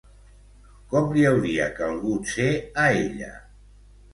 Com li hauria calgut ser a ella?